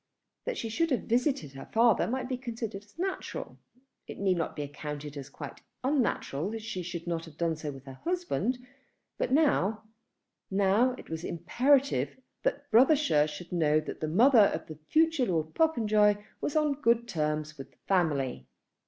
That she should have visited her father might be considered as natural. It need not be accounted as quite unnatural that she should have done so without her husband. But now, now it was imperative that Brothershire should know that the mother of the future Lord Popenjoy was on good terms with the family.